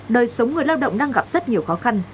đời sống người lao động đang gặp rất nhiều khó khăn